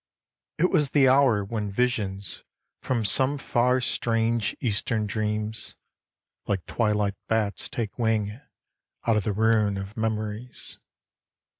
... It was the hour when visions from some far Strange Eastern dreams like twilight bats take wing Out of the ruin of memories.